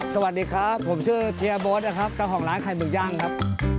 สวัสดีครับผมชื่อเฮียโบ๊ทนะครับเจ้าของร้านไข่หมึกย่างครับ